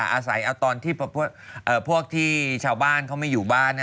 อาศัยเอาตอนที่พวกที่ชาวบ้านเขาไม่อยู่บ้าน